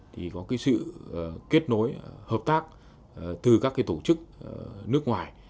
thì có sự kết nối hợp tác từ các tổ chức nước ngoài